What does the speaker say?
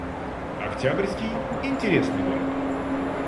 Октябрьский — интересный город